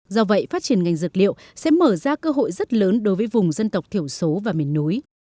do vậy phát triển ngành dược liệu sẽ mở ra cơ hội rất lớn đối với vùng dân tộc thiểu số và miền núi